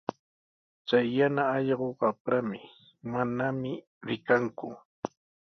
Chay yana allqu qamprami, manami rikanku.